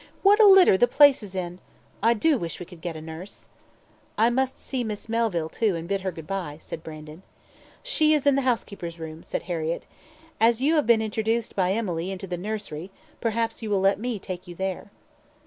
What a litter the place is in! I do wish we could get a nurse." "I must see Miss Melville, too, and bid her goodbye," said Brandon. "She is in the housekeeper's room," said Harriett. "As you have been introduced by Emily into the nursery, perhaps you will let me take you there."